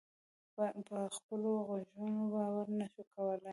په خپلو غوږونو باور نه شو کولای.